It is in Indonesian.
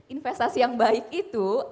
investasi yang baik itu